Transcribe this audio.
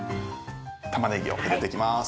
タマネギを入れていきます。